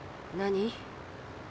何？